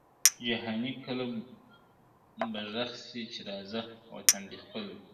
جهاني کله به ږغ سي چي راځه وطن دي خپل دی `